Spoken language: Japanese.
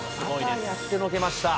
また、やってのけました。